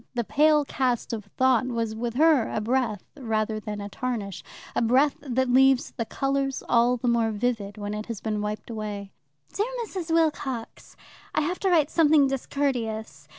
The pale cast of thought was with her a breath rather than a tarnish, a breath that leaves the colours all the more vivid when it has been wiped away. Dear Mrs. Wilcox, I have to write something discourteous.